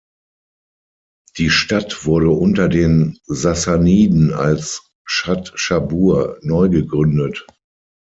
Die Stadt wurde unter den Sassaniden als Schad-Schabuhr neugegründet.